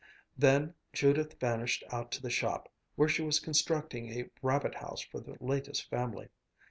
Then Judith vanished out to the shop, where she was constructing a rabbit house for the latest family.